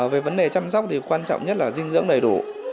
về vấn đề chăm sóc thì quan trọng nhất là dinh dưỡng đầy đủ